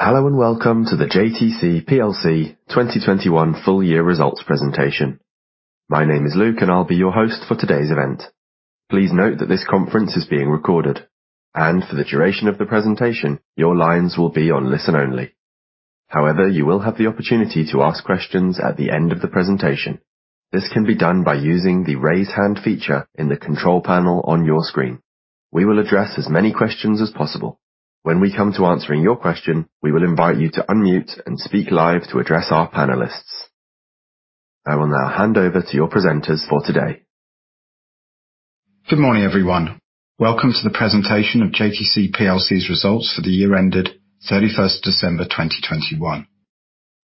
Hello and welcome to the JTC PLC 2021 full year results presentation. My name is Luke, and I'll be your host for today's event. Please note that this conference is being recorded, and for the duration of the presentation, your lines will be on listen-only. However, you will have the opportunity to ask questions at the end of the presentation. This can be done by using the raise hand feature in the control panel on your screen. We will address as many questions as possible. When we come to answering your question, we will invite you to unmute and speak live to address our panelists. I will now hand over to your presenters for today. Good morning, everyone. Welcome to the presentation of JTC PLC's results for the year ended 31st December 2021.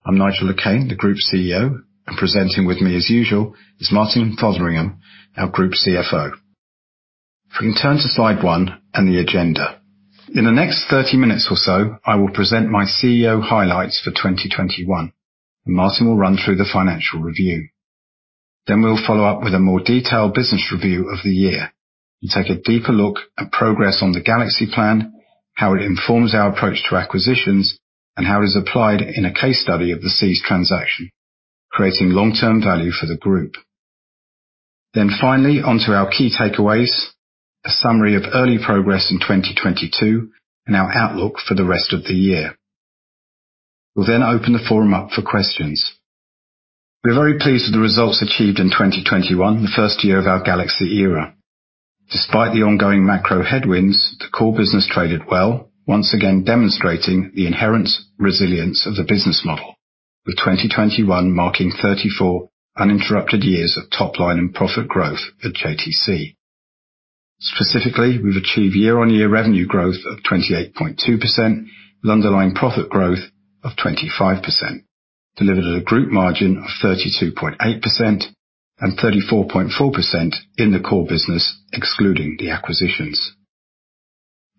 I'm Nigel Le Quesne, the Group CEO, and presenting with me as usual is Martin Fotheringham, our Group CFO. If we can turn to slide one and the agenda. In the next 30 minutes or so, I will present my CEO highlights for 2021, and Martin will run through the financial review. We'll follow up with a more detailed business review of the year and take a deeper look at progress on the Galaxy plan, how it informs our approach to acquisitions, and how it is applied in a case study of the CEES transaction, creating long-term value for the Group. Finally, onto our key takeaways, a summary of early progress in 2022 and our outlook for the rest of the year. We'll then open the forum up for questions. We are very pleased with the results achieved in 2021, the first year of our Galaxy era. Despite the ongoing macro headwinds, the core business traded well, once again demonstrating the inherent resilience of the business model, with 2021 marking 34 uninterrupted years of top line and profit growth at JTC. Specifically, we've achieved year-on-year revenue growth of 28.2%, with underlying profit growth of 25%, delivered at a group margin of 32.8% and 34.4% in the core business, excluding the acquisitions.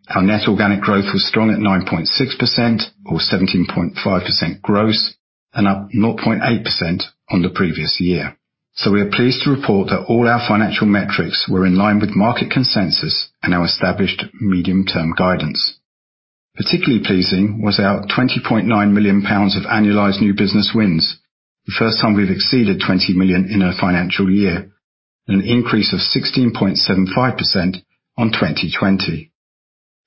Our net organic growth was strong at 9.6% or 17.5% gross and up 0.8% on the previous year. We are pleased to report that all our financial metrics were in line with market consensus and our established medium-term guidance. Particularly pleasing was our 20.9 million pounds of annualized new business wins. The first time we've exceeded 20 million in a financial year and an increase of 16.75% on 2020.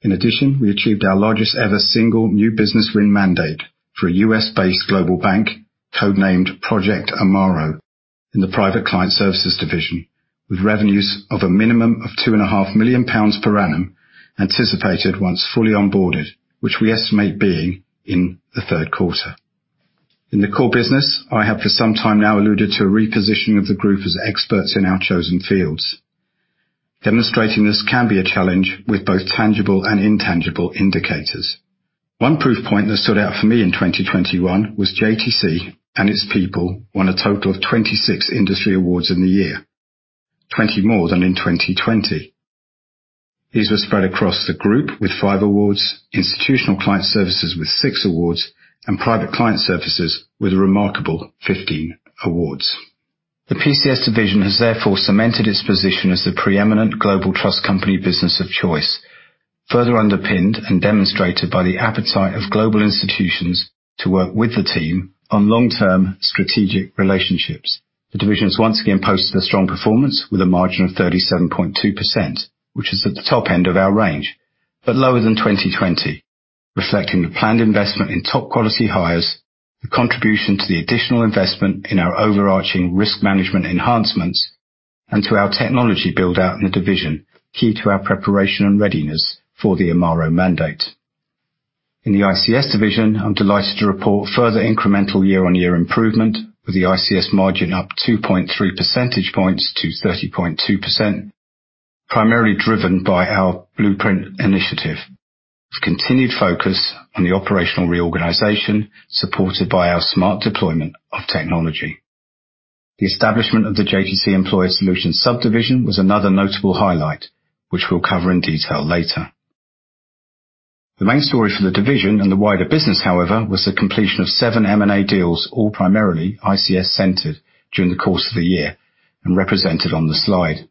In addition, we achieved our largest ever single new business win mandate for a U.S.-based global bank, code-named Project Amaro, in the Private Client Services division, with revenues of a minimum of 2.5 million pounds per annum, anticipated once fully onboarded, which we estimate being in the third quarter. In the core business, I have for some time now alluded to a repositioning of the Group as experts in our chosen fields. Demonstrating this can be a challenge with both tangible and intangible indicators. One proof point that stood out for me in 2021 was JTC and its people won a total of 26 industry awards in the year, 20 more than in 2020. These were spread across the Group with five awards, Institutional Client Services with six awards, and Private Client Services with a remarkable 15 awards. The PCS division has therefore cemented its position as the preeminent global trust company business of choice. Further underpinned and demonstrated by the appetite of global institutions to work with the team on long-term strategic relationships. The division has once again posted a strong performance with a margin of 37.2%, which is at the top end of our range, but lower than 2020, reflecting the planned investment in top quality hires, the contribution to the additional investment in our overarching risk management enhancements, and to our technology build-out in the division, key to our preparation and readiness for the Project Amaro mandate. In the ICS division, I'm delighted to report further incremental year-on-year improvement, with the ICS margin up 2.3 percentage points to 30.2%, primarily driven by our Blueprint initiative. Continued focus on the operational reorganization supported by our smart deployment of technology. The establishment of the JTC Employer Solutions subdivision was another notable highlight, which we'll cover in detail later. The main story for the division and the wider business, however, was the completion of seven M&A deals, all primarily ICS-centered during the course of the year and represented on the slide.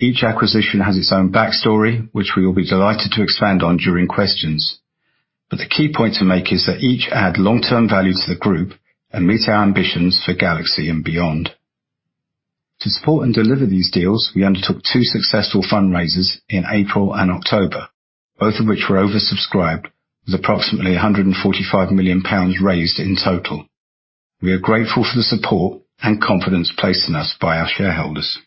Each acquisition has its own backstory, which we will be delighted to expand on during questions. The key point to make is that each add long-term value to the Group and meet our ambitions for Galaxy and beyond. To support and deliver these deals, we undertook two successful fundraisers in April and October, both of which were oversubscribed, with approximately 145 million pounds raised in total. We are grateful for the support and confidence placed in us by our shareholders.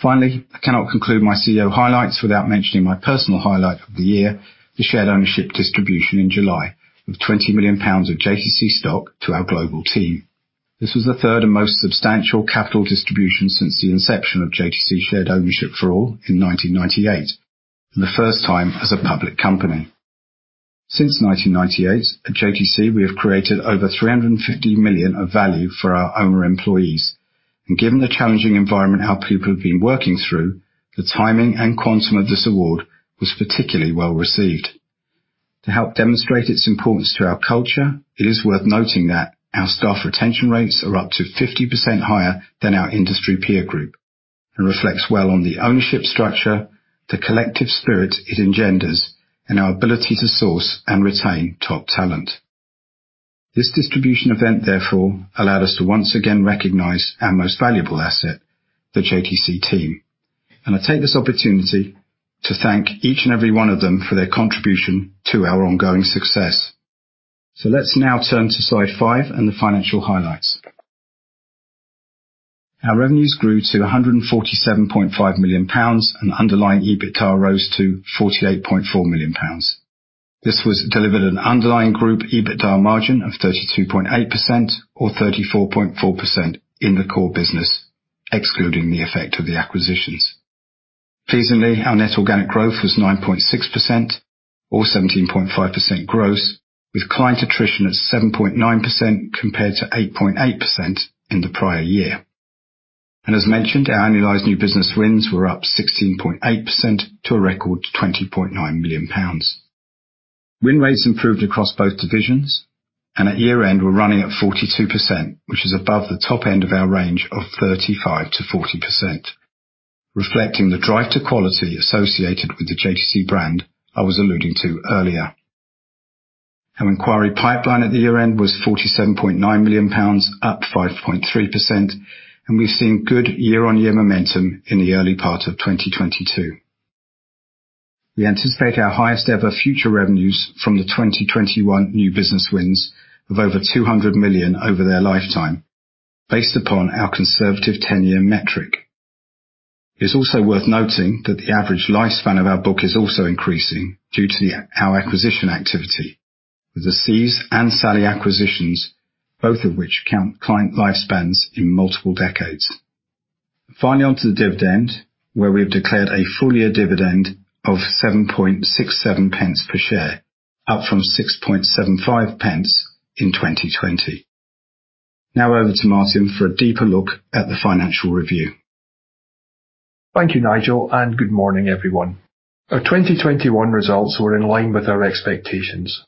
Finally, I cannot conclude my CEO highlights without mentioning my personal highlight of the year, the Shared Ownership distribution in July of 20 million pounds of JTC stock to our global team. This was the third and most substantial capital distribution since the inception of JTC Shared Ownership for All in 1998, and the first time as a public company. Since 1998, at JTC, we have created over 350 million of value for our owner employees. Given the challenging environment our people have been working through, the timing and quantum of this award was particularly well received. To help demonstrate its importance to our culture, it is worth noting that our staff retention rates are up to 50% higher than our industry peer group. Reflects well on the ownership structure, the collective spirit it engenders, and our ability to source and retain top talent. This distribution event, therefore, allowed us to once again recognize our most valuable asset, the JTC team, and I take this opportunity to thank each and every one of them for their contribution to our ongoing success. Let's now turn to slide five and the financial highlights. Our revenues grew to 147.5 million pounds and underlying EBITDA rose to 48.4 million pounds. This delivered an underlying group EBITDA margin of 32.8% or 34.4% in the core business, excluding the effect of the acquisitions. Pleasingly, our net organic growth was 9.6% or 17.5% growth, with client attrition at 7.9% compared to 8.8% in the prior year. As mentioned, our annualized new business wins were up 16.8% to a record 20.9 million pounds. Win rates improved across both divisions, and at year-end, we're running at 42%, which is above the top end of our range of 35%-40%, reflecting the drive to quality associated with the JTC brand I was alluding to earlier. Our inquiry pipeline at the year-end was 47.9 million pounds, up 5.3%, and we've seen good year-on-year momentum in the early part of 2022. We anticipate our highest ever future revenues from the 2021 new business wins of over 200 million over their lifetime based upon our conservative 10-year metric. It's also worth noting that the average lifespan of our book is also increasing due to our acquisition activity. With the CEES and SALI acquisitions, both of which count client lifespans in multiple decades. Finally, on to the dividend, where we have declared a full-year dividend of 7.67 pence per share, up from 6.75 pence in 2020. Now over to Martin for a deeper look at the financial review. Thank you, Nigel, and good morning, everyone. Our 2021 results were in line with our expectations.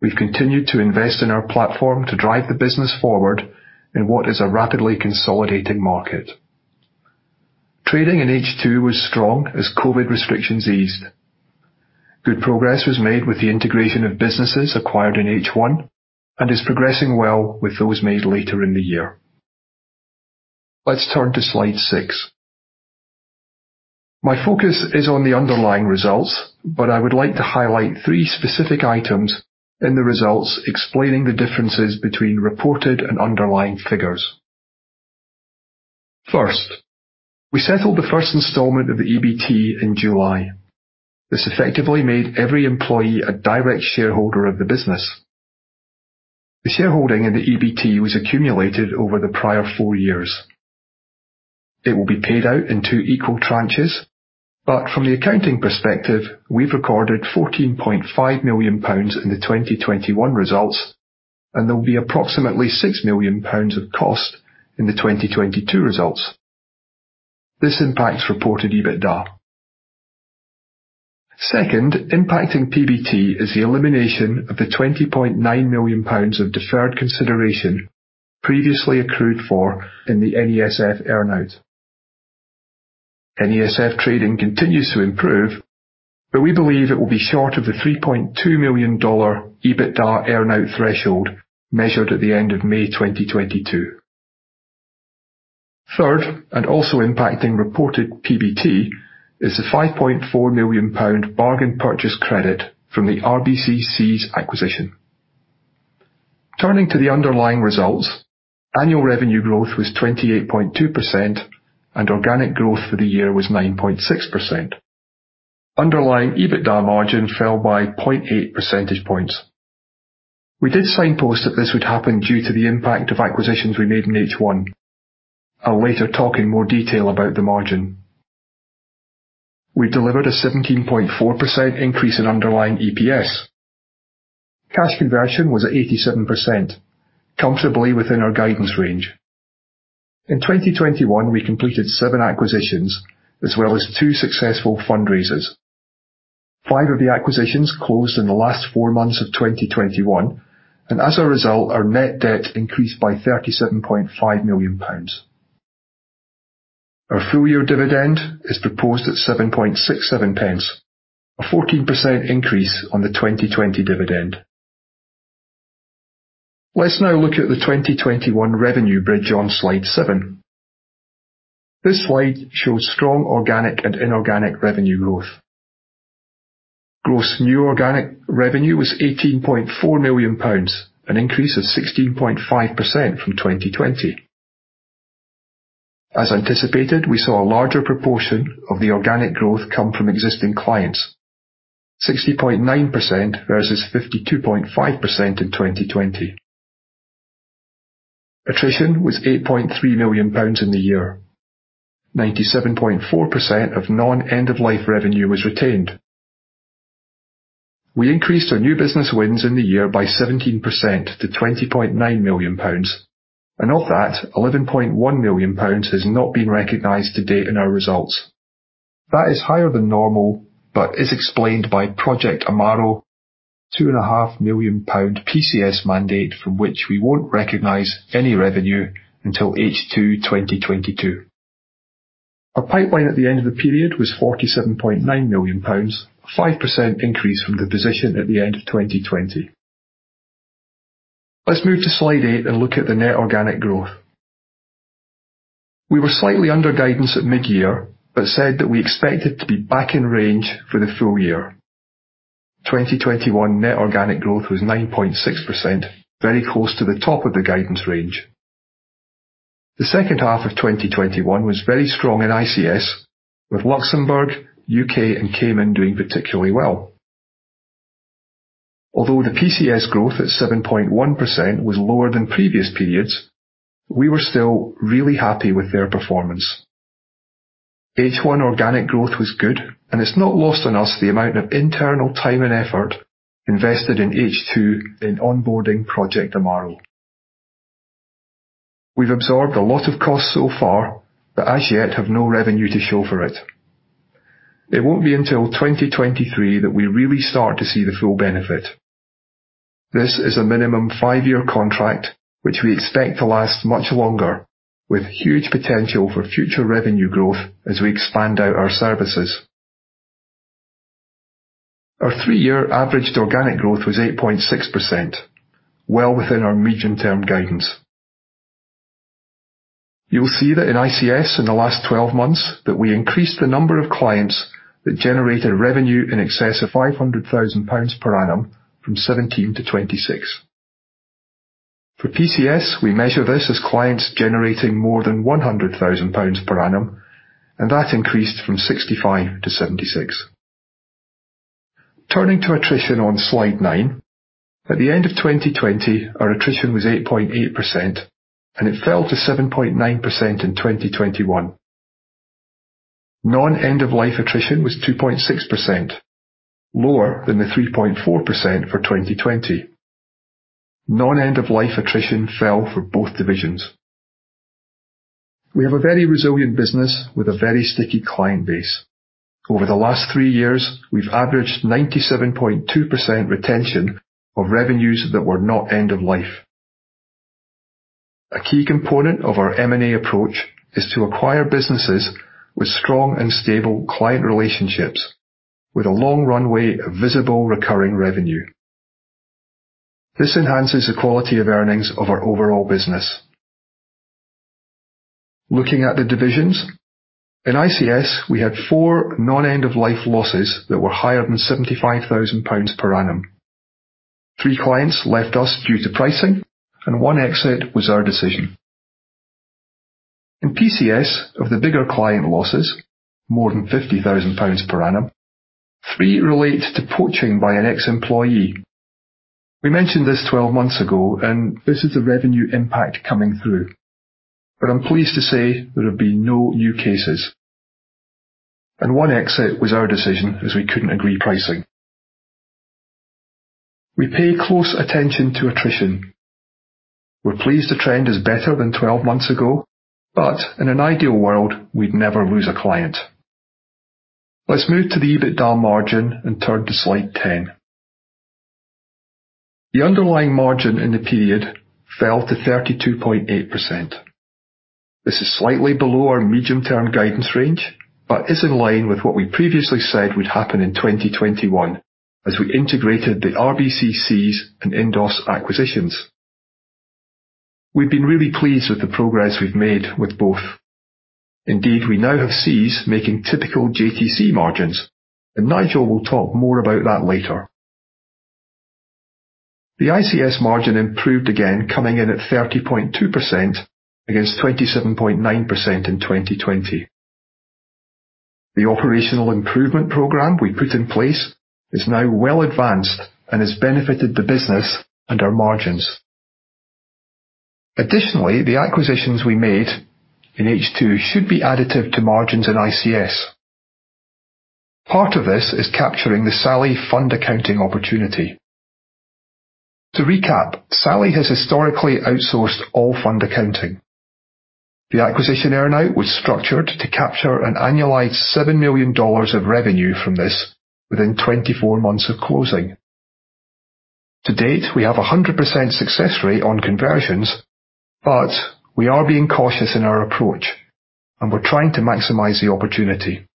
We've continued to invest in our platform to drive the business forward in what is a rapidly consolidating market. Trading in H2 was strong as COVID restrictions eased. Good progress was made with the integration of businesses acquired in H1 and is progressing well with those made later in the year. Let's turn to slide six. My focus is on the underlying results, but I would like to highlight three specific items in the results explaining the differences between reported and underlying figures. First, we settled the first installment of the EBT in July. This effectively made every employee a direct shareholder of the business. The shareholding in the EBT was accumulated over the prior four years. It will be paid out in two equal tranches, but from the accounting perspective, we've recorded 14.5 million pounds in the 2021 results, and there'll be approximately 6 million pounds of cost in the 2022 results. This impacts reported EBITDA. Second, impacting PBT is the elimination of 20.9 million pounds of deferred consideration previously accrued for in the NESF earn-out. NESF trading continues to improve, but we believe it will be short of the $3.2 million EBITDA earn-out threshold measured at the end of May 2022. Third, and also impacting reported PBT, is the 5.4 million pound bargain purchase credit from the RBC CEES acquisition. Turning to the underlying results, annual revenue growth was 28.2%, and organic growth for the year was 9.6%. Underlying EBITDA margin fell by 0.8 percentage points. We did signpost that this would happen due to the impact of acquisitions we made in H1. I'll later talk in more detail about the margin. We delivered a 17.4% increase in underlying EPS. Cash conversion was at 87%, comfortably within our guidance range. In 2021, we completed seven acquisitions as well as two successful fundraisers. Five of the acquisitions closed in the last four months of 2021, and as a result, our net debt increased by 37.5 million pounds. Our full-year dividend is proposed at 7.67 pence, a 14% increase on the 2020 dividend. Let's now look at the 2021 revenue bridge on slide seven. This slide shows strong organic and inorganic revenue growth. Gross new organic revenue was 18.4 million pounds, an increase of 16.5% from 2020. As anticipated, we saw a larger proportion of the organic growth come from existing clients, 60.9% versus 52.5% in 2020. Attrition was 8.3 million pounds in the year. 97.4% of non-end-of-life revenue was retained. We increased our new business wins in the year by 17% to 20.9 million pounds, and of that, 11.1 million pounds has not been recognized to date in our results. That is higher than normal, but is explained by Project Amaro, 2.5 million pound PCS mandate from which we won't recognize any revenue until H2 2022. Our pipeline at the end of the period was 47.9 million pounds, 5% increase from the position at the end of 2020. Let's move to slide eight and look at the net organic growth. We were slightly under guidance at mid-year, but said that we expected to be back in range for the full year. 2021 net organic growth was 9.6%, very close to the top of the guidance range. The second half of 2021 was very strong in ICS with Luxembourg, U.K., and Cayman doing particularly well. Although the PCS growth at 7.1% was lower than previous periods, we were still really happy with their performance. H1 organic growth was good, and it's not lost on us the amount of internal time and effort invested in H2 in onboarding Project Amaro. We've absorbed a lot of costs so far, but as yet have no revenue to show for it. It won't be until 2023 that we really start to see the full benefit. This is a minimum 5-year contract, which we expect to last much longer, with huge potential for future revenue growth as we expand out our services. Our 3-year averaged organic growth was 8.6%, well within our medium-term guidance. You'll see that in ICS in the last 12 months that we increased the number of clients that generated revenue in excess of 500,000 pounds per annum from 17 to 26. For PCS, we measure this as clients generating more than 100,000 pounds per annum, and that increased from 65 to 76. Turning to attrition on slide nine, at the end of 2020, our attrition was 8.8%, and it fell to 7.9% in 2021. Non-end of life attrition was 2.6%, lower than the 3.4% for 2020. Non-end of life attrition fell for both divisions. We have a very resilient business with a very sticky client base. Over the last 3 years, we've averaged 97.2% retention of revenues that were not end of life. A key component of our M&A approach is to acquire businesses with strong and stable client relationships with a long runway of visible recurring revenue. This enhances the quality of earnings of our overall business. Looking at the divisions, in ICS, we had four non-end of life losses that were higher than 75,000 pounds per annum. Three clients left us due to pricing, and one exit was our decision. In PCS, of the bigger client losses, more than 50,000 pounds per annum, three relate to poaching by an ex-employee. We mentioned this 12 months ago, and this is the revenue impact coming through, but I'm pleased to say there have been no new cases. One exit was our decision as we couldn't agree pricing. We pay close attention to attrition. We're pleased the trend is better than 12 months ago, but in an ideal world, we'd never lose a client. Let's move to the EBITDA margin and turn to slide 10. The underlying margin in the period fell to 32.8%. This is slightly below our medium-term guidance range but is in line with what we previously said would happen in 2021 as we integrated the RBC, CEES, and INDOS acquisitions. We've been really pleased with the progress we've made with both. Indeed, we now have SALI making typical JTC margins, and Nigel will talk more about that later. The ICS margin improved again, coming in at 30.2% against 27.9% in 2020. The operational improvement program we put in place is now well advanced and has benefited the business and our margins. Additionally, the acquisitions we made in H2 should be additive to margins in ICS. Part of this is capturing the SALI fund accounting opportunity. To recap, SALI has historically outsourced all fund accounting. The acquisition earn-out was structured to capture an annualized $7 million of revenue from this within 24 months of closing. To date, we have a 100% success rate on conversions, but we are being cautious in our approach, and we're trying to maximize the opportunity.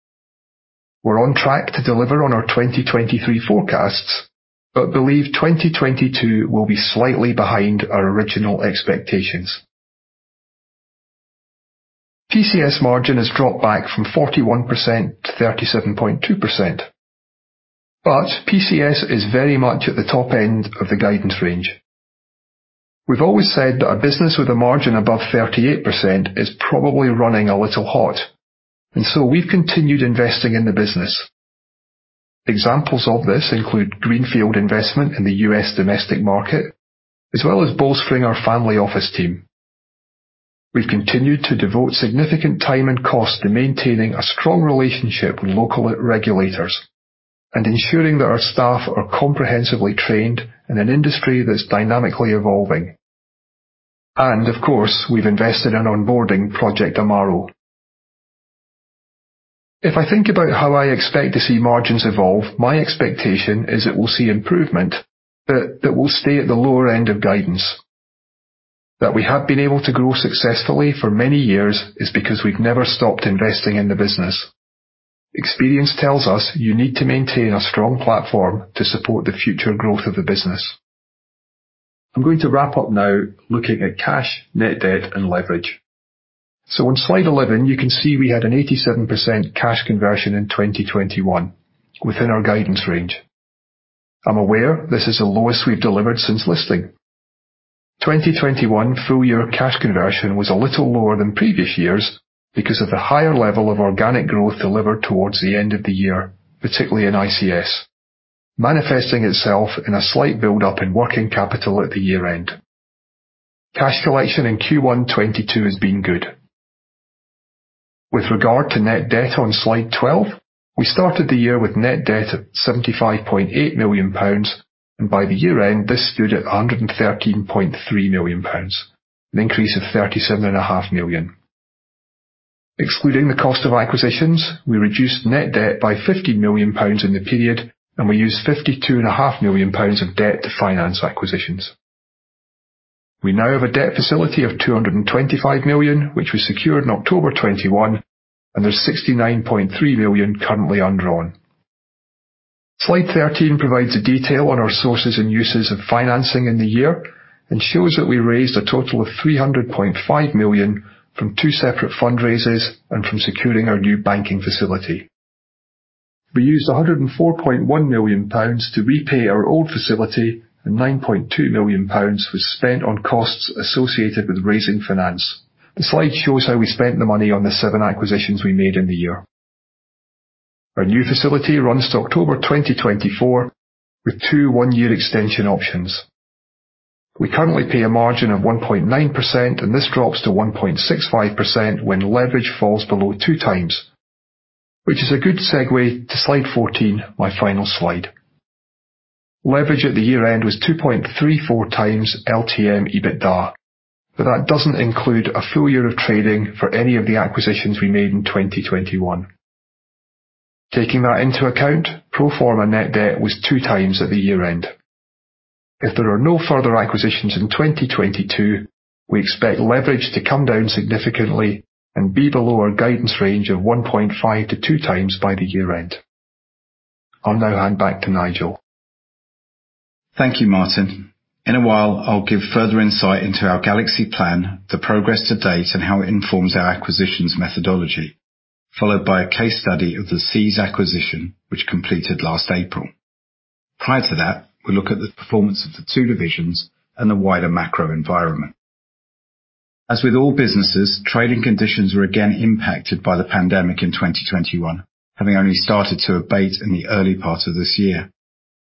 We're on track to deliver on our 2023 forecasts but believe 2022 will be slightly behind our original expectations. PCS margin has dropped back from 41% to 37.2%, but PCS is very much at the top end of the guidance range. We've always said that a business with a margin above 38% is probably running a little hot, and so we've continued investing in the business. Examples of this include greenfield investment in the U.S. domestic market, as well as bolstering our family office team. We've continued to devote significant time and cost to maintaining a strong relationship with local regulators and ensuring that our staff are comprehensively trained in an industry that's dynamically evolving. Of course, we've invested in onboarding Project Amaro. If I think about how I expect to see margins evolve, my expectation is that we'll see improvement, but that will stay at the lower end of guidance. That we have been able to grow successfully for many years is because we've never stopped investing in the business. Experience tells us you need to maintain a strong platform to support the future growth of the business. I'm going to wrap up now looking at cash, net debt, and leverage. On slide 11, you can see we had an 87% cash conversion in 2021 within our guidance range. I'm aware this is the lowest we've delivered since listing. 2021 full year cash conversion was a little lower than previous years because of the higher level of organic growth delivered towards the end of the year, particularly in ICS, manifesting itself in a slight buildup in working capital at the year-end. Cash collection in Q1 2022 has been good. With regard to net debt on slide 12, we started the year with net debt at 75.8 million pounds, and by the year-end, this stood at 113.3 million pounds, an increase of 37.5 million. Excluding the cost of acquisitions, we reduced net debt by 50 million pounds in the period, and we used 52.5 million pounds of debt to finance acquisitions. We now have a debt facility of 225 million, which was secured in October 2021, and there's 69.3 million currently undrawn. Slide 13 provides a detail on our sources and uses of financing in the year and shows that we raised a total of 300.5 million from two separate fundraisers and from securing our new banking facility. We used 104.1 million pounds to repay our old facility, and 9.2 million pounds was spent on costs associated with raising finance. The slide shows how we spent the money on the seven acquisitions we made in the year. Our new facility runs to October 2024 with two 1-year extension options. We currently pay a margin of 1.9%, and this drops to 1.65% when leverage falls below 2x, which is a good segue to slide 14, my final slide. Leverage at the year-end was 2.34x LTM EBITDA, but that doesn't include a full year of trading for any of the acquisitions we made in 2021. Taking that into account, pro forma net debt was 2x at the year-end. If there are no further acquisitions in 2022, we expect leverage to come down significantly and be below our guidance range of 1.5x-2x by the year-end. I'll now hand back to Nigel. Thank you, Martin. In a while, I'll give further insight into our Galaxy plan, the progress to date, and how it informs our acquisitions methodology, followed by a case study of the CEES acquisition, which completed last April. Prior to that, we look at the performance of the two divisions and the wider macro environment. As with all businesses, trading conditions were again impacted by the pandemic in 2021, having only started to abate in the early part of this year.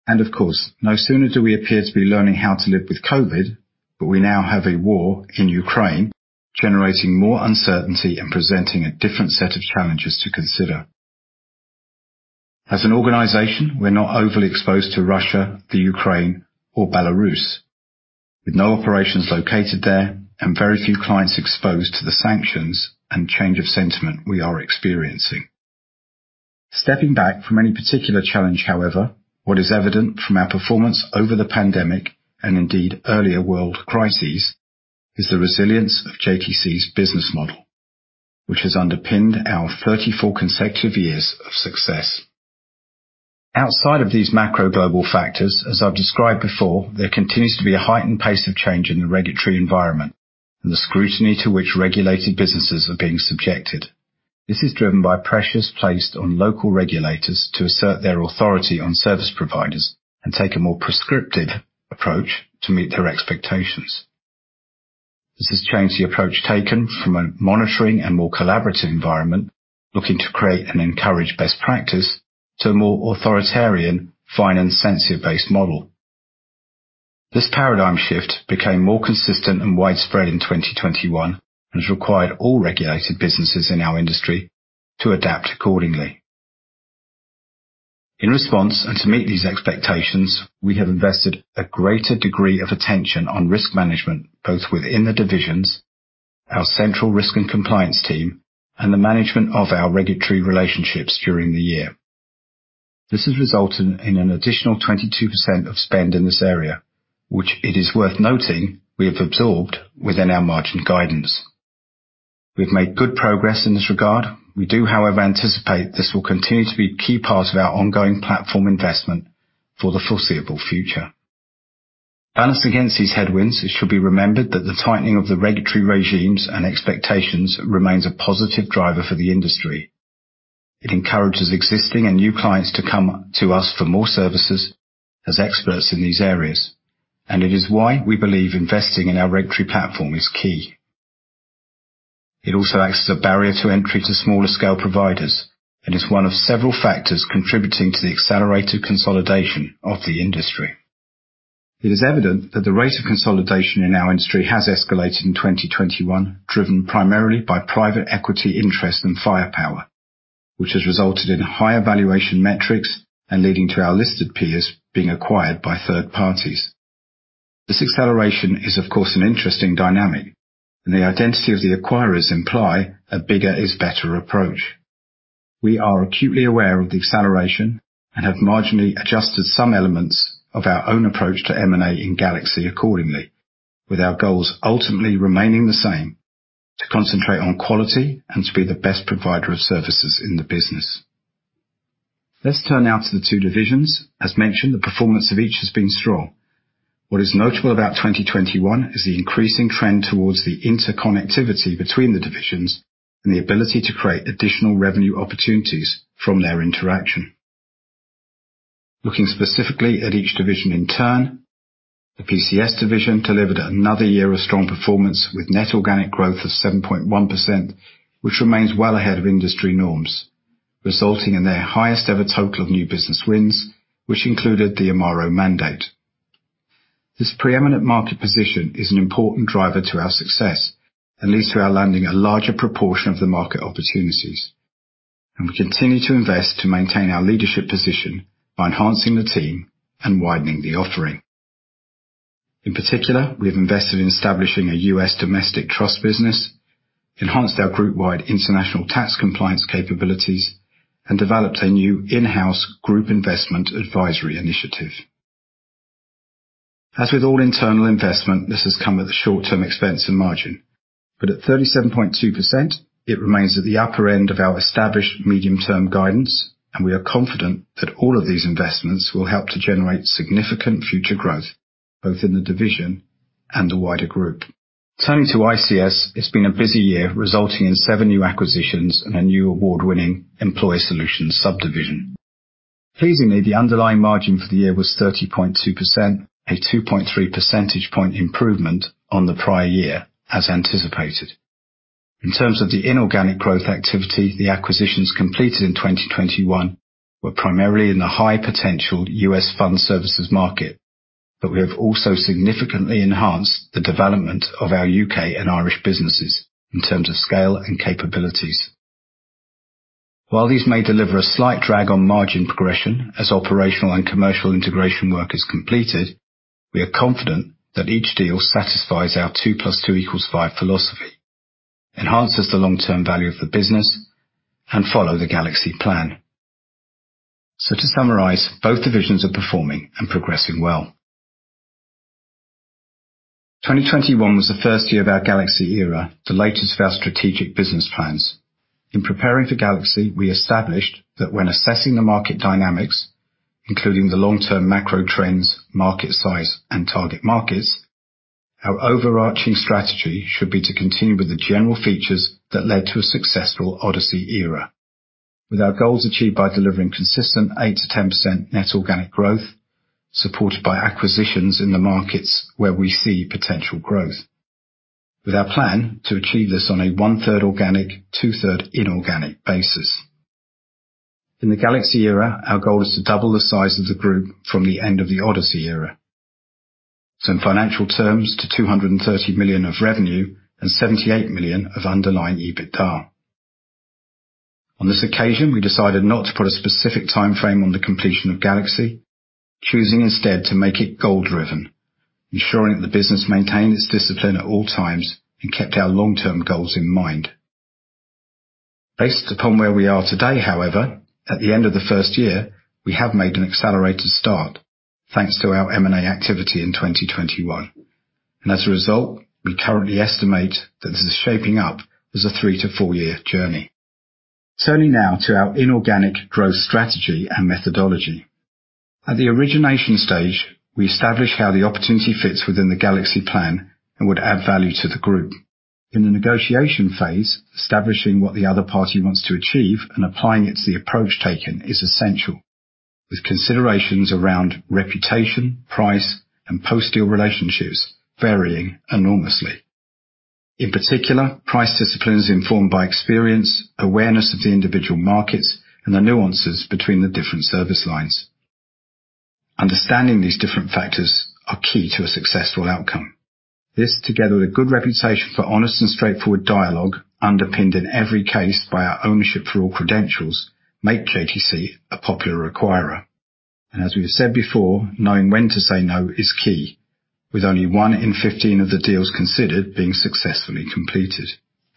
Of course, no sooner do we appear to be learning how to live with COVID, but we now have a war in Ukraine, generating more uncertainty and presenting a different set of challenges to consider. As an organization, we're not overly exposed to Russia, the Ukraine or Belarus. With no operations located there and very few clients exposed to the sanctions and change of sentiment we are experiencing. Stepping back from any particular challenge, however, what is evident from our performance over the pandemic, and indeed earlier world crises, is the resilience of JTC's business model, which has underpinned our 34 consecutive years of success. Outside of these macro global factors, as I've described before, there continues to be a heightened pace of change in the regulatory environment and the scrutiny to which regulated businesses are being subjected. This is driven by pressures placed on local regulators to assert their authority on service providers and take a more prescriptive approach to meet their expectations. This has changed the approach taken from a monitoring and more collaborative environment looking to create and encourage best practice to a more authoritarian fine and censure-based model. This paradigm shift became more consistent and widespread in 2021 and has required all regulated businesses in our industry to adapt accordingly. In response, and to meet these expectations, we have invested a greater degree of attention on risk management, both within the divisions, our central risk and compliance team, and the management of our regulatory relationships during the year. This has resulted in an additional 22% of spend in this area, which it is worth noting we have absorbed within our margin guidance. We've made good progress in this regard. We do, however, anticipate this will continue to be a key part of our ongoing platform investment for the foreseeable future. Balanced against these headwinds, it should be remembered that the tightening of the regulatory regimes and expectations remains a positive driver for the industry. It encourages existing and new clients to come to us for more services as experts in these areas, and it is why we believe investing in our regulatory platform is key. It also acts as a barrier to entry to smaller scale providers and is one of several factors contributing to the accelerated consolidation of the industry. It is evident that the rate of consolidation in our industry has escalated in 2021, driven primarily by private equity interest and firepower, which has resulted in higher valuation metrics and leading to our listed peers being acquired by third parties. This acceleration is, of course, an interesting dynamic, and the identity of the acquirers imply a bigger is better approach. We are acutely aware of the acceleration and have marginally adjusted some elements of our own approach to M&A in Galaxy accordingly, with our goals ultimately remaining the same, to concentrate on quality and to be the best provider of services in the business. Let's turn now to the two divisions. As mentioned, the performance of each has been strong. What is notable about 2021 is the increasing trend towards the interconnectivity between the divisions and the ability to create additional revenue opportunities from their interaction. Looking specifically at each division in turn. The PCS division delivered another year of strong performance with net organic growth of 7.1%, which remains well ahead of industry norms, resulting in their highest ever total of new business wins, which included the Project Amaro mandate. This preeminent market position is an important driver to our success and leads to our landing a larger proportion of the market opportunities, and we continue to invest to maintain our leadership position by enhancing the team and widening the offering. In particular, we have invested in establishing a U.S. domestic trust business, enhanced our group-wide international tax compliance capabilities, and developed a new in-house group investment advisory initiative. As with all internal investment, this has come at the short term expense and margin. At 37.2%, it remains at the upper end of our established medium-term guidance, and we are confident that all of these investments will help to generate significant future growth, both in the division and the wider group. Turning to ICS, it's been a busy year, resulting in seven new acquisitions and a new award-winning Employer Solutions subdivision. Pleasingly, the underlying margin for the year was 30.2%, a 2.3 percentage point improvement on the prior year as anticipated. In terms of the inorganic growth activity, the acquisitions completed in 2021 were primarily in the high potential U.S. fund services market. We have also significantly enhanced the development of our U.K. and Irish businesses in terms of scale and capabilities. While these may deliver a slight drag on margin progression as operational and commercial integration work is completed, we are confident that each deal satisfies our 2+2=5 philosophy, enhances the long-term value of the business, and follow the Galaxy plan. To summarize, both divisions are performing and progressing well. 2021 was the first year of our Galaxy era, the latest of our strategic business plans. In preparing for Galaxy, we established that when assessing the market dynamics, including the long-term macro trends, market size, and target markets, our overarching strategy should be to continue with the general features that led to a successful Odyssey era. With our goals achieved by delivering consistent 8%-10% net organic growth, supported by acquisitions in the markets where we see potential growth. With our plan to achieve this on a 1/3 organic, 2/3 inorganic basis. In the Galaxy era, our goal is to double the size of the group from the end of the Odyssey era. In financial terms to 230 million of revenue and 78 million of underlying EBITDA. On this occasion, we decided not to put a specific timeframe on the completion of Galaxy, choosing instead to make it goal-driven, ensuring that the business maintained its discipline at all times and kept our long-term goals in mind. Based upon where we are today, however, at the end of the first year, we have made an accelerated start thanks to our M&A activity in 2021. As a result, we currently estimate that this is shaping up as a 3-4-year journey. Turning now to our inorganic growth strategy and methodology. At the origination stage, we establish how the opportunity fits within the Galaxy plan and would add value to the group. In the negotiation phase, establishing what the other party wants to achieve and applying it to the approach taken is essential, with considerations around reputation, price, and post-deal relationships varying enormously. In particular, price discipline is informed by experience, awareness of the individual markets, and the nuances between the different service lines. Understanding these different factors are key to a successful outcome. This, together with good reputation for honest and straightforward dialogue, underpinned in every case by our Ownership for All credentials, make JTC a popular acquirer. As we've said before, knowing when to say no is key, with only one in 15 of the deals considered being successfully completed.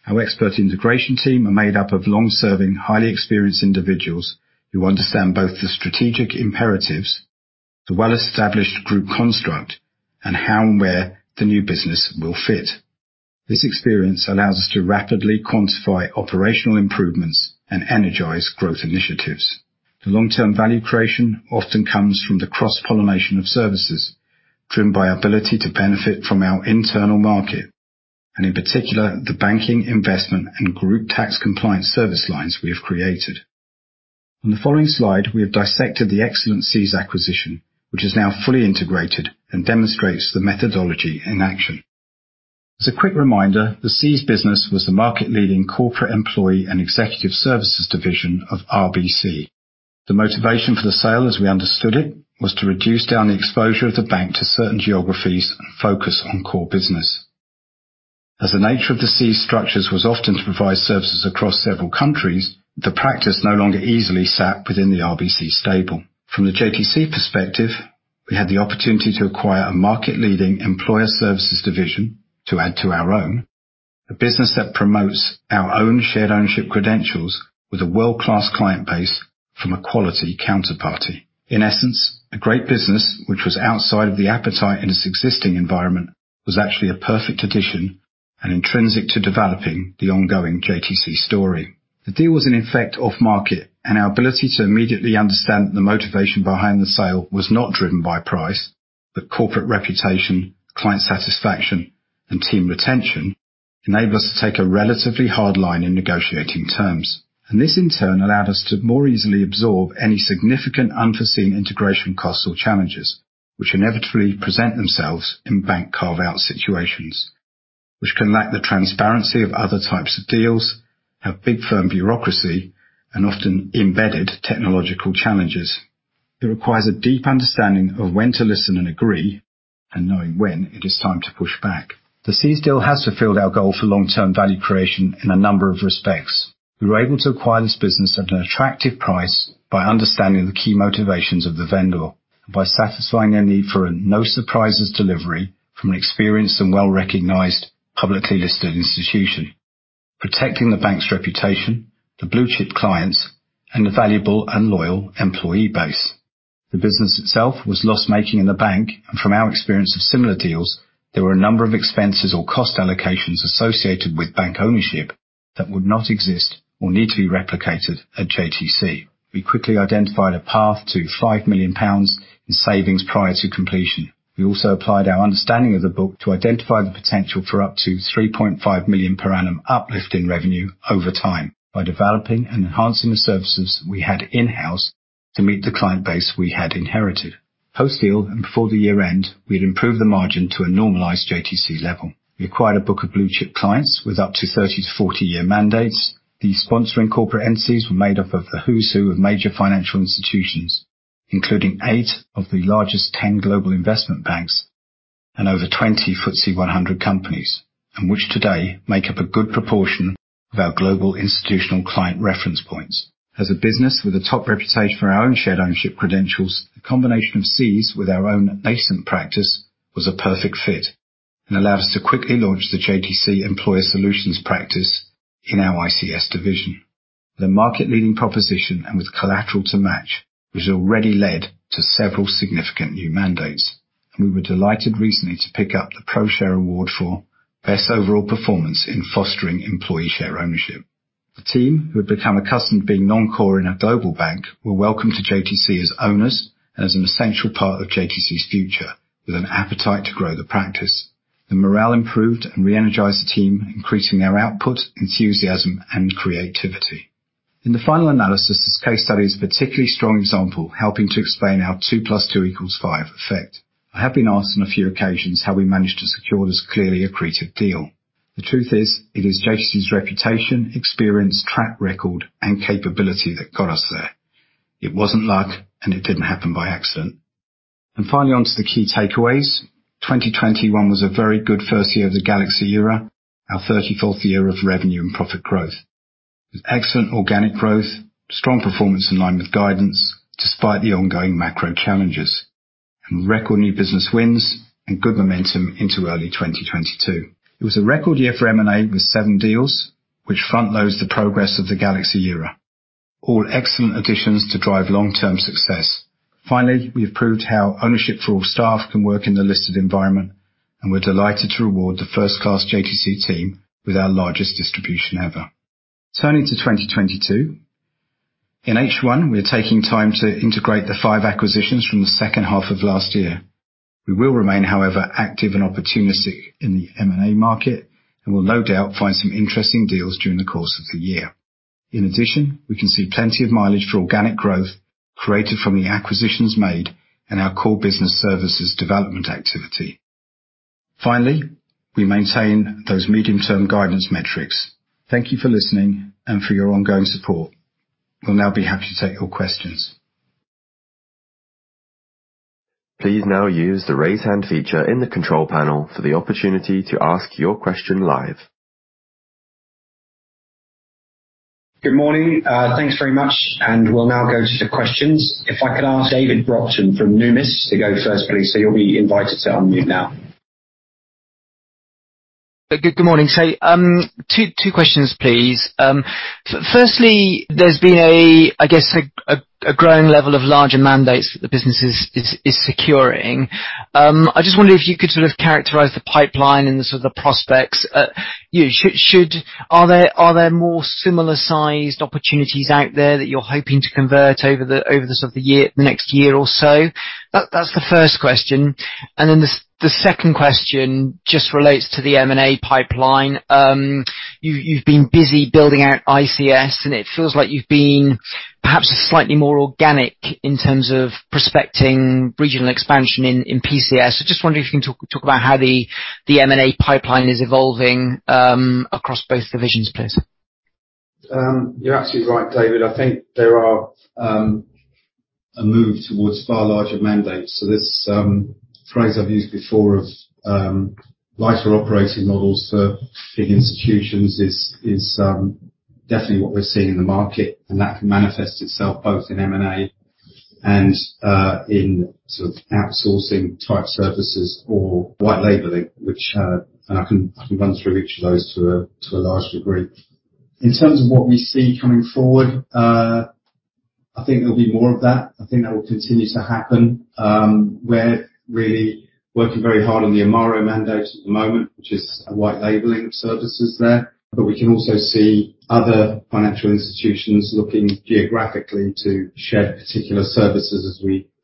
Our expert integration team are made up of long-serving, highly experienced individuals who understand both the strategic imperatives, the well-established group construct, and how and where the new business will fit. This experience allows us to rapidly quantify operational improvements and energize growth initiatives. The long-term value creation often comes from the cross-pollination of services, driven by ability to benefit from our internal market, and in particular, the banking, investment, and group tax compliance service lines we have created. On the following slide, we have dissected the excellent CEES acquisition, which is now fully integrated and demonstrates the methodology in action. As a quick reminder, the CEES business was the market leading corporate employee and executive services division of RBC. The motivation for the sale, as we understood it, was to reduce down the exposure of the bank to certain geographies and focus on core business. As the nature of the CEES structures was often to provide services across several countries, the practice no longer easily sat within the RBC stable. From the JTC perspective, we had the opportunity to acquire a market-leading employer services division to add to our own. A business that promotes our own shared ownership credentials with a world-class client base from a quality counterparty. In essence, a great business which was outside of the appetite in its existing environment, was actually a perfect addition and intrinsic to developing the ongoing JTC story. The deal was in effect off-market, and our ability to immediately understand the motivation behind the sale was not driven by price, but corporate reputation, client satisfaction, and team retention enabled us to take a relatively hard line in negotiating terms. This, in turn, allowed us to more easily absorb any significant unforeseen integration costs or challenges which inevitably present themselves in bank carve-out situations, which can lack the transparency of other types of deals, have big firm bureaucracy, and often embedded technological challenges. It requires a deep understanding of when to listen and agree, and knowing when it is time to push back. The CEES deal has fulfilled our goal for long-term value creation in a number of respects. We were able to acquire this business at an attractive price by understanding the key motivations of the vendor, and by satisfying their need for a no-surprises delivery from an experienced and well-recognized publicly listed institution, protecting the bank's reputation, the blue-chip clients, and the valuable and loyal employee base. The business itself was loss-making in the bank. From our experience of similar deals, there were a number of expenses or cost allocations associated with bank ownership that would not exist or need to be replicated at JTC. We quickly identified a path to 5 million pounds in savings prior to completion. We also applied our understanding of the book to identify the potential for up to 3.5 million per annum uplift in revenue over time by developing and enhancing the services we had in-house to meet the client base we had inherited. Post-deal and before the year-end, we had improved the margin to a normalized JTC level. We acquired a book of blue-chip clients with up to 30- to 40-year mandates. The sponsoring corporate entities were made up of the who's who of major financial institutions, including 8 of the largest 10 global investment banks and over 20 FTSE 100 companies. Which today make up a good proportion of our global institutional client reference points. As a business with a top reputation for our own shared ownership credentials, the combination of CEES with our own nascent practice was a perfect fit and allowed us to quickly launch the JTC Employer Solutions practice in our ICS division. The market-leading proposition, and with collateral to match, which already led to several significant new mandates, and we were delighted recently to pick up the ProShare Award for Best Overall Performance in Fostering Employee Share Ownership. The team, who had become accustomed to being non-core in a global bank, were welcomed to JTC as owners and as an essential part of JTC's future with an appetite to grow the practice. The morale improved and re-energized the team, increasing their output, enthusiasm, and creativity. In the final analysis, this case study is a particularly strong example, helping to explain our 2+2=5 effect. I have been asked on a few occasions how we managed to secure this clearly accretive deal. The truth is, it is JTC's reputation, experience, track record, and capability that got us there. It wasn't luck, and it didn't happen by accident. Finally, on to the key takeaways. 2021 was a very good first year of the Galaxy era, our 34th year of revenue and profit growth. Excellent organic growth, strong performance in line with guidance despite the ongoing macro challenges, and record new business wins and good momentum into early 2022. It was a record year for M&A with seven deals which front-loads the progress of the Galaxy era. All excellent additions to drive long-term success. Finally, we have proved how Ownership for All staff can work in the listed environment, and we're delighted to reward the first-class JTC team with our largest distribution ever. Turning to 2022. In H1, we are taking time to integrate the five acquisitions from the second half of last year. We will remain, however, active and opportunistic in the M&A market and will no doubt find some interesting deals during the course of the year. In addition, we can see plenty of mileage for organic growth created from the acquisitions made and our core business services development activity. Finally, we maintain those medium-term guidance metrics. Thank you for listening and for your ongoing support. We'll now be happy to take your questions. Please now use the Raise Hand feature in the control panel for the opportunity to ask your question live. Good morning. Thanks very much, and we'll now go to the questions. If I could ask David Brockton from Numis to go first, please. You'll be invited to unmute now. Good morning. Two questions, please. Firstly, there's been, I guess, a growing level of larger mandates that the business is securing. I just wondered if you could sort of characterize the pipeline and sort of the prospects. You know, are there more similar-sized opportunities out there that you're hoping to convert over the sort of the year, the next year or so? That's the first question. Then the second question just relates to the M&A pipeline. You've been busy building out ICS, and it feels like you've been perhaps slightly more organic in terms of prospecting regional expansion in PCS. Just wondering if you can talk about how the M&A pipeline is evolving across both divisions, please. You're absolutely right, David. I think there's a move towards far larger mandates. This phrase I've used before of lighter operating models for big institutions is definitely what we're seeing in the market, and that can manifest itself both in M&A and in sort of outsourcing type services or white labeling and I can run through each of those to a large degree. In terms of what we see coming forward, I think there'll be more of that. I think that will continue to happen. We're really working very hard on the Project Amaro mandate at the moment, which is a white labeling of services there. We can also see other financial institutions looking geographically to share particular services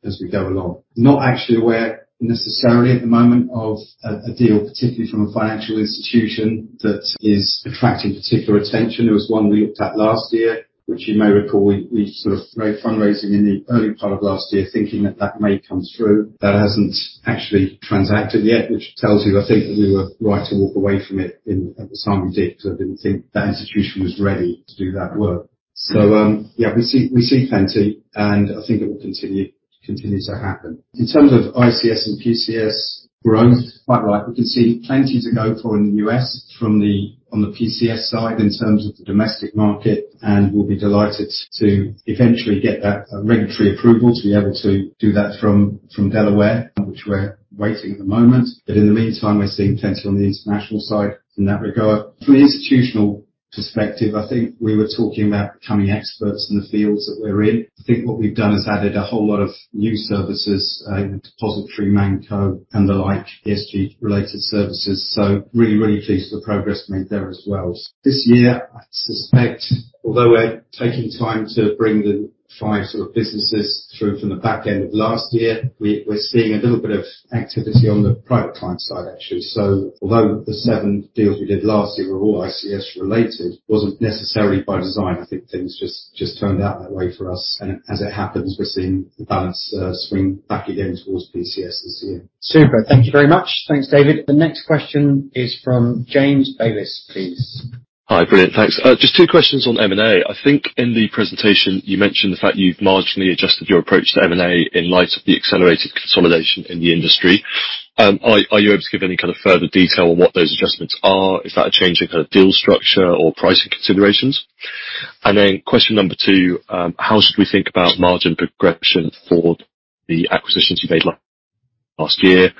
as we go along. Not actually aware necessarily at the moment of a deal, particularly from a financial institution that is attracting particular attention. There was one we looked at last year, which you may recall. We sort of raised fundraising in the early part of last year thinking that that may come through. That hasn't actually transacted yet, which tells you, I think that we were right to walk away from it at the time we did, because I didn't think that institution was ready to do that work. Yeah, we see plenty, and I think it will continue to happen. In terms of ICS and PCS growth, quite right, we can see plenty to go for in the U.S. on the PCS side in terms of the domestic market, and we'll be delighted to eventually get that regulatory approval to be able to do that from Delaware, which we're waiting at the moment. In the meantime, we're seeing plenty on the international side in that regard. From an institutional perspective, I think we were talking about becoming experts in the fields that we're in. I think what we've done is added a whole lot of new services, depository, ManCo, and the like, ESG-related services. Really, really pleased with the progress made there as well. This year, I suspect, although we're taking time to bring the five sort of businesses through from the back end of last year, we're seeing a little bit of activity on the private client side, actually. Although the seven deals we did last year were all ICS related, it wasn't necessarily by design. I think things just turned out that way for us. As it happens, we're seeing the balance swing back again towards PCS this year. Super. Thank you very much. Thanks, David. The next question is from James Baylis, please. Hi. Brilliant. Thanks. Just two questions on M&A. I think in the presentation you mentioned the fact you've marginally adjusted your approach to M&A in light of the accelerated consolidation in the industry. Are you able to give any kind of further detail on what those adjustments are? Is that a change in kind of deal structure or pricing considerations? Question number two, how should we think about margin progression for the acquisitions you made last year?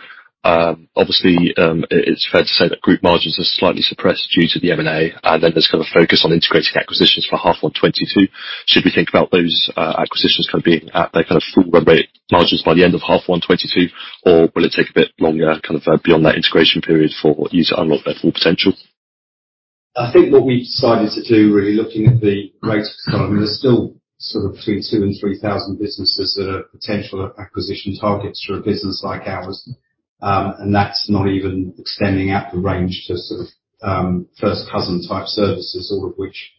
Obviously, it's fair to say that group margins are slightly suppressed due to the M&A, and then there's kind of focus on integrating acquisitions for half one 2022. Should we think about those acquisitions kind of being at their kind of full rate margins by the end of half one 2022? Will it take a bit longer, kind of beyond that integration period for you to unlock their full potential? I think what we've decided to do, really looking at the rate of economy, there's still sort of between 2,000-3,000 businesses that are potential acquisition targets for a business like ours. That's not even extending out the range to sort of, first cousin type services, all of which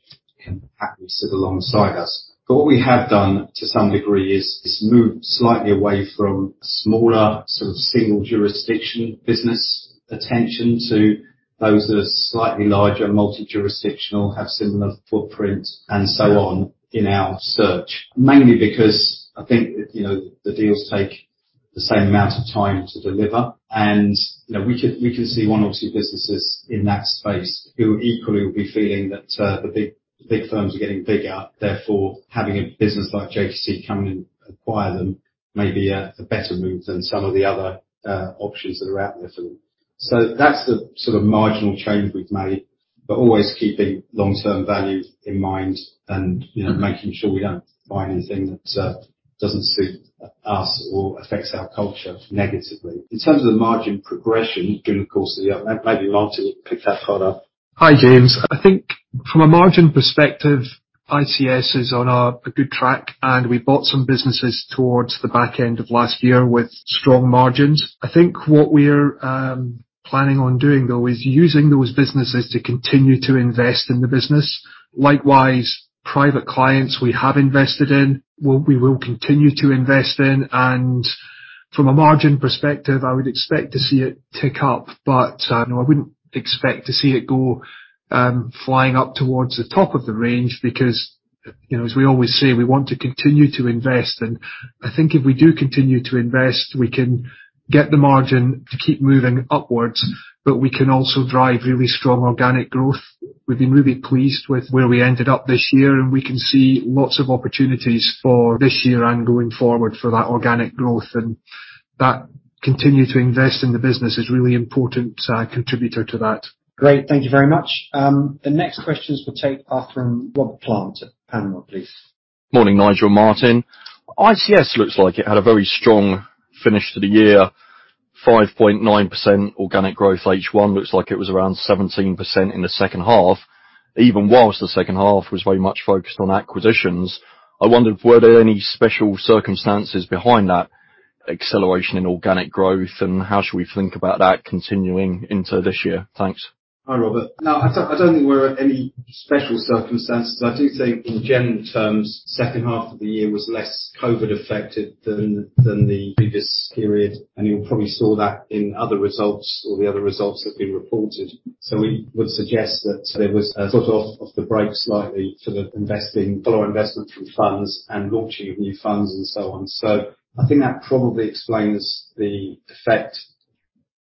can happily sit alongside us. What we have done, to some degree, is move slightly away from smaller, sort of single jurisdiction business attention to those that are slightly larger, multi-jurisdictional, have similar footprint and so on in our search. Mainly because I think, you know, the deals take the same amount of time to deliver. You know, we can see one or two businesses in that space who equally will be feeling that, the big firms are getting bigger. Therefore, having a business like JTC come in and acquire them may be a better move than some of the other options that are out there for them. That's the sort of marginal change we've made, but always keeping long-term value in mind and, you know, making sure we don't buy anything that doesn't suit us or affects our culture negatively. In terms of the margin progression during the course of the year, maybe Martin will pick that part up. Hi, James. I think from a margin perspective, ICS is on a good track, and we bought some businesses towards the back end of last year with strong margins. I think what we're planning on doing though is using those businesses to continue to invest in the business. Likewise, Private Client Services we have invested in. We will continue to invest in. From a margin perspective, I would expect to see it tick up, but no, I wouldn't expect to see it go flying up towards the top of the range because, you know, as we always say, we want to continue to invest. I think if we do continue to invest, we can get the margin to keep moving upwards, but we can also drive really strong organic growth. We've been really pleased with where we ended up this year, and we can see lots of opportunities for this year and going forward for that organic growth. Continuing to invest in the business is really important contributor to that. Great. Thank you very much. The next questions we'll take are from Rob Plant at Panmure, please. Morning, Nigel and Martin. ICS looks like it had a very strong finish to the year, 5.9% organic growth. H1 looks like it was around 17% in the second half, even while the second half was very much focused on acquisitions. I wondered, were there any special circumstances behind that? acceleration in organic growth, and how should we think about that continuing into this year? Thanks. Hi, Robert. Now, I don't think we're at any special circumstances. I do think in general terms, second half of the year was less COVID affected than the previous period, and you probably saw that in other results or the other results that have been reported. We would suggest that there was a sort of off the break slightly for the follow-on investment from funds and launching of new funds and so on. I think that probably explains the effect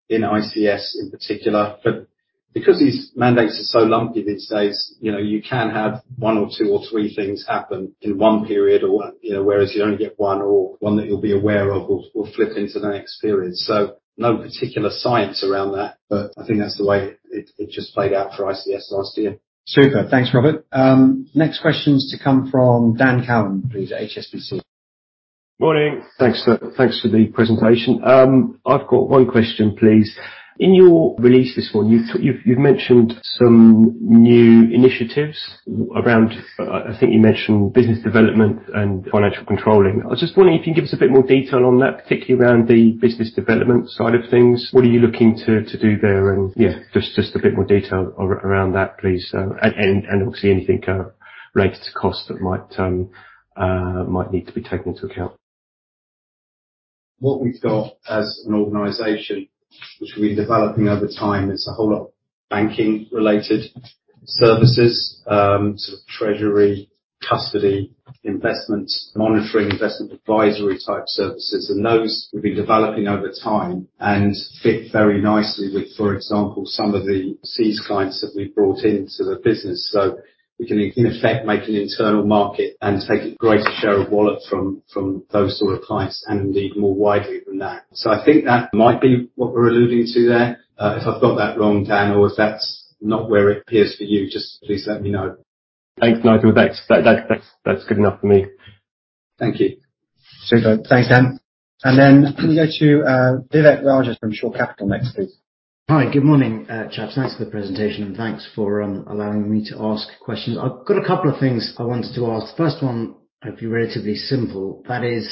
in ICS in particular. Because these mandates are so lumpy these days, you know, you can have one or two or three things happen in one period or, you know, whereas you only get one or one that you'll be aware of will flip into the next period. No particular science around that, but I think that's the way it just played out for ICS last year. Super. Thanks, Robert. Next question is to come from Daniel Cowan, please, at HSBC. Morning. Thanks for the presentation. I've got one question, please. In your release this morning, you've mentioned some new initiatives around business development and financial controlling. I was just wondering if you can give us a bit more detail on that, particularly around the business development side of things. What are you looking to do there? Yeah, just a bit more detail around that, please. Obviously anything key-related to cost that might need to be taken into account. What we've got as an organization, which we'll be developing over time, is a whole lot of banking related services, sort of treasury, custody, investment monitoring, investment advisory type services. Those will be developing over time and fit very nicely with, for example, some of the CEES clients that we brought into the business. We can in effect, make an internal market and take a greater share of wallet from those sort of clients and indeed more widely from that. I think that might be what we're alluding to there. If I've got that wrong, Dan, or if that's not where it appears for you, just please let me know. Thanks, Nigel. That's good enough for me. Thank you. Super. Thanks, Dan. Can we go to Vivek Raja from Shore Capital next, please. Hi. Good morning, chaps. Thanks for the presentation, and thanks for allowing me to ask questions. I've got a couple of things I wanted to ask. First one, hopefully relatively simple. That is,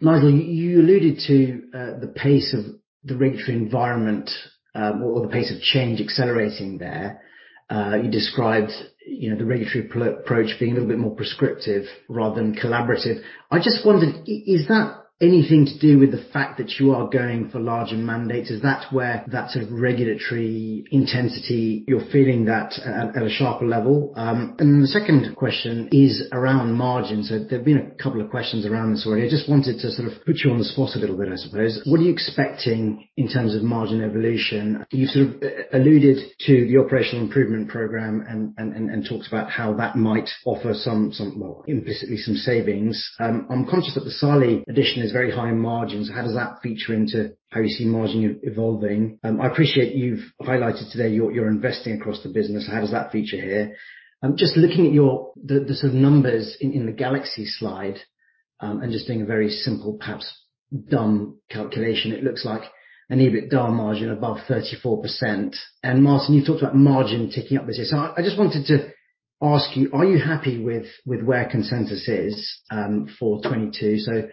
Nigel, you alluded to the pace of the regulatory environment, or the pace of change accelerating there. You described, you know, the regulatory approach being a little bit more prescriptive rather than collaborative. I just wondered, is that anything to do with the fact that you are going for larger mandates? Is that where that sort of regulatory intensity you're feeling that at a sharper level? The second question is around margins. There have been a couple of questions around this already. I just wanted to sort of put you on the spot a little bit, I suppose. What are you expecting in terms of margin evolution? You alluded to the operational improvement program and talks about how that might offer some more implicitly some savings. I'm conscious that the SALI addition is very high in margins. How does that feature into how you see margin evolving? I appreciate you've highlighted today you're investing across the business. How does that feature here? Just looking at the sort of numbers in the Galaxy slide and just doing a very simple, perhaps dumb calculation, it looks like an EBITDA margin above 34%. Martin, you talked about margin ticking up this year. I just wanted to ask you, are you happy with where consensus is for 2022?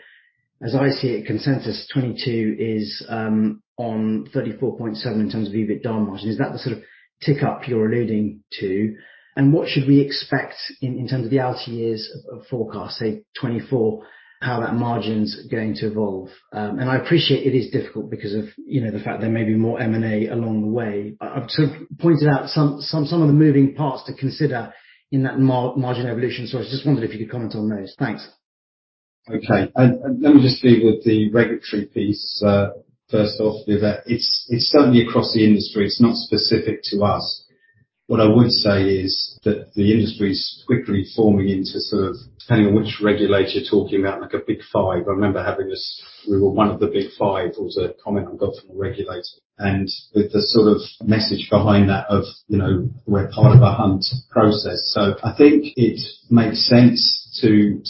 As I see it, consensus 2022 is on 34.7% in terms of EBITDA margin. Is that the sort of tick up you're alluding to? What should we expect in terms of the outer years of forecast, say 2024, how that margin's going to evolve? I appreciate it is difficult because of, you know, the fact there may be more M&A along the way. I've sort of pointed out some of the moving parts to consider in that margin evolution story. I just wondered if you could comment on those. Thanks. Okay. Let me just deal with the regulatory piece first off with that. It's certainly across the industry. It's not specific to us. What I would say is that the industry's quickly forming into sort of depending on which regulator you're talking about, like a big five. I remember having this. We were one of the big five. It was a comment I got from a regulator and with the sort of message behind that of, you know, we're part of a hunt process. I think it makes sense.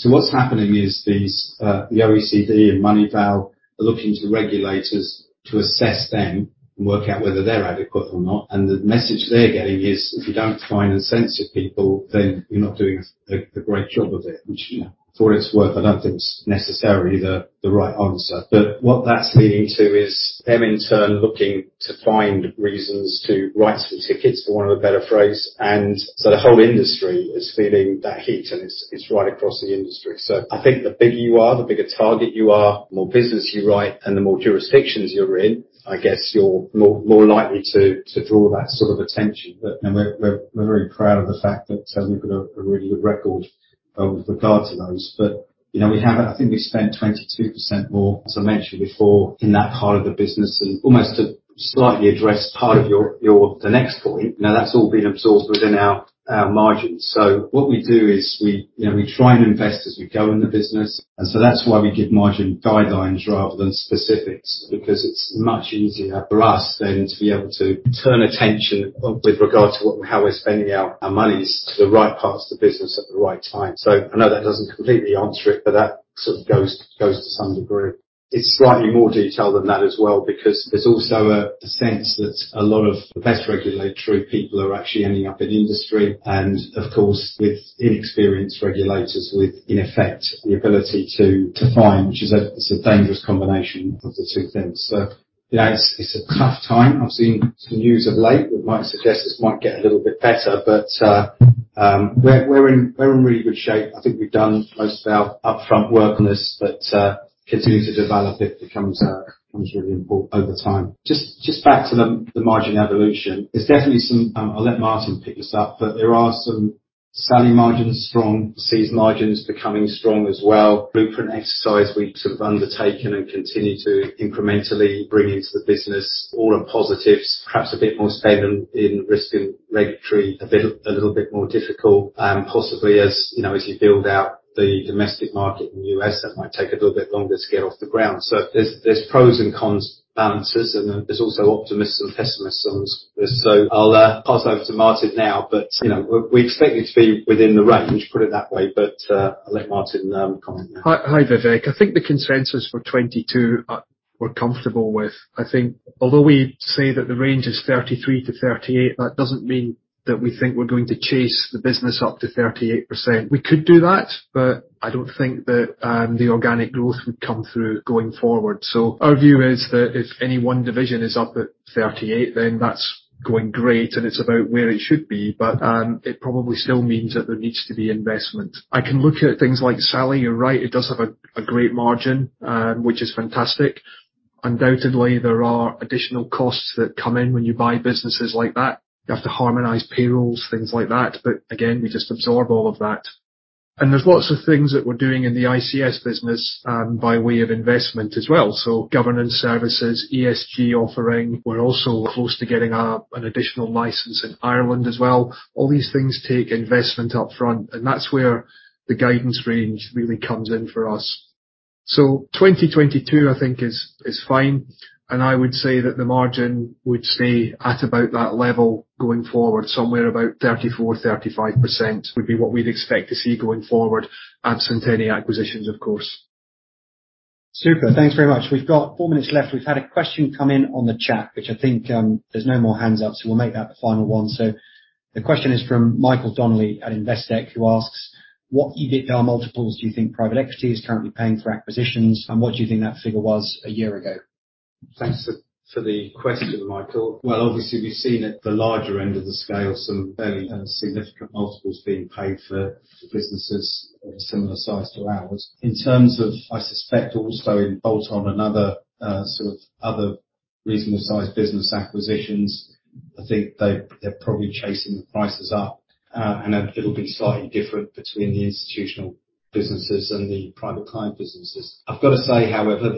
What's happening is these, the OECD and Moneyval are looking to the regulators to assess them and work out whether they're adequate or not. The message they're getting is, if you don't fine and censure people, then you're not doing a great job of it, which for what it's worth, I don't think it's necessarily the right answer. What that's leading to is them in turn looking to find reasons to write some tickets, for want of a better phrase. The whole industry is feeling that heat, and it's right across the industry. I think the bigger you are, the bigger target you are, the more business you write and the more jurisdictions you're in. I guess you're more likely to draw that sort of attention. You know, we're very proud of the fact that we've got a really good record as regards to those. You know, we have... I think we spent 22% more, as I mentioned before, in that part of the business and almost to slightly address part of your the next point. Now, that's all been absorbed within our margins. What we do is we, you know, we try and invest as we go in the business. That's why we give margin guidelines rather than specifics because it's much easier for us then to be able to turn attention with regard to what and how we're spending our monies to the right parts of the business at the right time. I know that doesn't completely answer it, but that sort of goes to some degree. It's slightly more detailed than that as well because there's also a sense that a lot of the best regulatory people are actually ending up in industry and of course with inexperienced regulators who in effect have the ability to fine, which is a dangerous combination of the two things. Yeah, it's a tough time. I've seen some news of late that might suggest this might get a little bit better. We're in really good shape. I think we've done most of our upfront work on this, continue to develop it becomes really important over time. Just back to the margin evolution. I'll let Martin pick this up, there are some strong selling margins, service margins becoming strong as well. Blueprint exercise we've sort of undertaken and continue to incrementally bring into the business. All are positives. Perhaps a bit more spend in risk and regulatory. A bit, a little bit more difficult, possibly as, you know, as you build out the domestic market in the U.S., that might take a little bit longer to get off the ground. There's pros and cons, balances, and there's also optimists and pessimists. I'll pass over to Martin now, but, you know, we're expecting it to be within the range, put it that way. I'll let Martin comment now. Hi, Vivek. I think the consensus for 2022 we're comfortable with. I think although we say that the range is 33%-38%, that doesn't mean that we think we're going to chase the business up to 38%. We could do that, but I don't think that the organic growth would come through going forward. Our view is that if any one division is up at 38%, then that's going great and it's about where it should be. It probably still means that there needs to be investment. I can look at things like SALI, you're right, it does have a great margin, which is fantastic. Undoubtedly, there are additional costs that come in when you buy businesses like that. You have to harmonize payrolls, things like that. But again, we just absorb all of that. There's lots of things that we're doing in the ICS business by way of investment as well. Governance services, ESG offering. We're also close to getting an additional license in Ireland as well. All these things take investment up front, and that's where the guidance range really comes in for us. 2022 I think is fine. I would say that the margin would stay at about that level going forward. Somewhere about 34%-35% would be what we'd expect to see going forward, absent any acquisitions of course. Super. Thanks very much. We've got four minutes left. We've had a question come in on the chat, which I think, there's no more hands up, so we'll make that the final one. The question is from Michael Donnelly at Investec, who asks, "What EV/EBITDA multiples do you think private equity is currently paying for acquisitions, and what do you think that figure was a year ago? Thanks for the question, Michael. Well, obviously, we've seen at the larger end of the scale some fairly significant multiples being paid for businesses of a similar size to ours. In terms of, I suspect also in bolt-on and other sort of other reasonable-sized business acquisitions, I think they're probably chasing the prices up. It'll be slightly different between the institutional businesses and the private client businesses. I've got to say, however,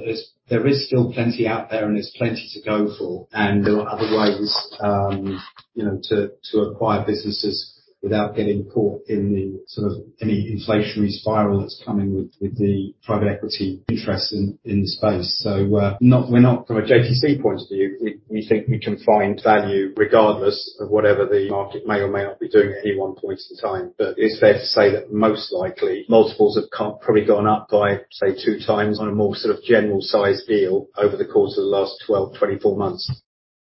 there is still plenty out there and there's plenty to go for. There are other ways, you know, to acquire businesses without getting caught in the sort of any inflationary spiral that's coming with the private equity interest in the space. We're not from a JTC point of view, we think we can find value regardless of whatever the market may or may not be doing at any one point in time. It's fair to say that most likely, multiples have probably gone up by, say, 2 times on a more sort of general size deal over the course of the last 12-24 months.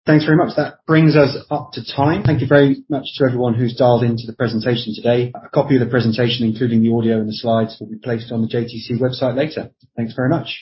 Thanks very much. That brings us up to time. Thank you very much to everyone who's dialed into the presentation today. A copy of the presentation, including the audio and the slides, will be placed on the JTC website later. Thanks very much.